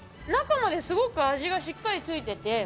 中まですごく味がしっかり付いてて。